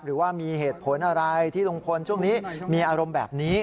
หรือว่ามีเหตุผลอะไรที่ลุงพลช่วงนี้มีอารมณ์แบบนี้